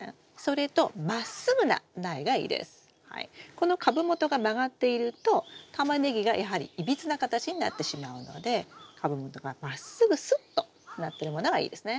この株元が曲がっているとタマネギがやはりいびつな形になってしまうので株元がまっすぐスッとなってるものがいいですね。